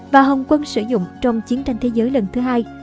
và hồng quân sử dụng trong chiến tranh thế giới lần thứ hai